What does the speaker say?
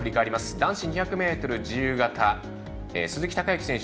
男子２００ｍ自由形鈴木孝幸選手